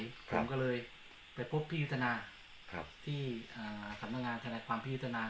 ผมก็เลยไปพบพี่ยุทธนาที่สำนักงานธนายความพิจารณา